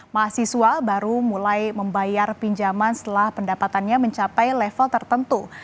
mahasiswa baru mulai membayar pinjaman setelah pendapatannya mencapai level tertentu